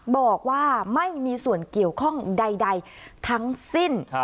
บอกว่าไม่มีส่วนเกี่ยวข้องใดทั้งสิ้น